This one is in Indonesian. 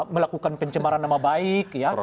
melakukan pencemaran nama baik